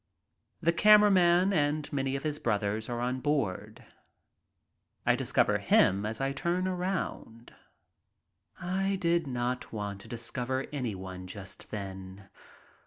The camera man and many of his brothers are aboard. I discover him as I turn around. I did not want to discover anyone just then.